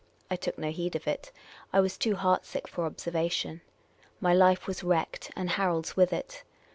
I took no heed of it. I was too heart sick for observation. My life was wrecked, and Harold's with it.